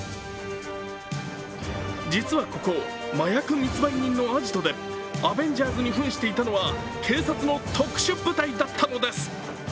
実はここ、麻薬密売人のアジトでアベンジャーズにふんしていたのは警察の特殊部隊だったのです。